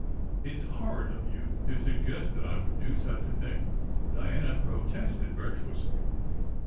"It s horrid of you to suggest that I would do such a thing," Diana protested virtuously.